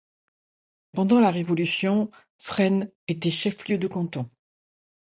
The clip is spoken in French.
Pendant la Révolution, Fresnes était chef-lieu de canton.